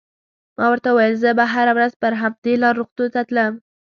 ما ورته وویل: زه به هره ورځ پر همدې لار روغتون ته تلم.